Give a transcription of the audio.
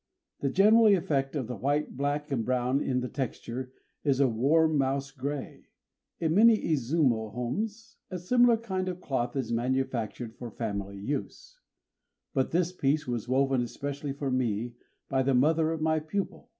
The general effect of the white, black, and brown in the texture is a warm mouse grey. In many Izumo homes a similar kind of cloth is manufactured for family use; but this piece was woven especially for me by the mother of my pupil.